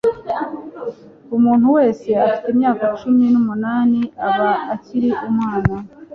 umuntu wese ufite imyaka cumi n,umunani aba akiri umwana.”